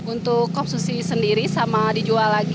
untuk konsumsi sendiri sama dijual lagi